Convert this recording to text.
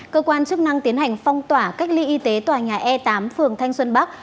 cơ quan chức năng tiến hành phong tỏa cách ly y tế tòa nhà e tám phường thanh xuân bắc